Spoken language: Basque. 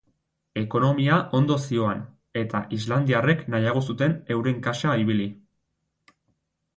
Ekonomia ondo zihoan, eta islandiarrek nahiago zuten euren kasa ibili.